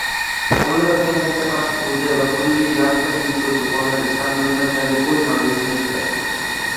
Qurilayotgan katta park hududi va turli yaltir yultur doʻkonlar Istanbulning Kadikoʻy mavzesini eslatdi.